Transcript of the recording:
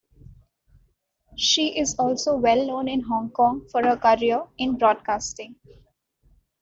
She is also well known in Hong Kong for her career in broadcasting.